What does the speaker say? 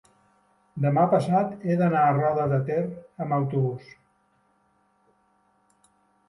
demà passat he d'anar a Roda de Ter amb autobús.